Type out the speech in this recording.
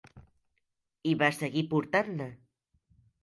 I va seguir portant-ne.